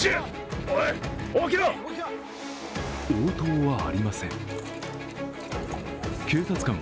応答はありません。